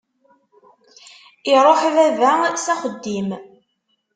Iruḥ baba s axeddim.